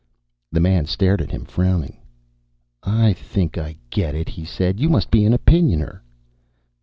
The man stared at him, frowning. "I think I get it," he said. "You must be an Opinioner."